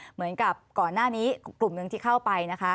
เหมือนกับก่อนหน้านี้กลุ่มหนึ่งที่เข้าไปนะคะ